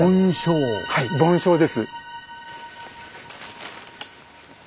はい梵鐘です。